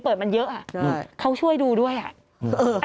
เปิดมันเยอะอ่ะเขาช่วยดูด้วยอ่ะ